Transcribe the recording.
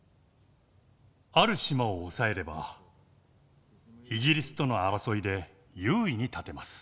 ある島を押さえればイギリスとの争いで優位に立てます。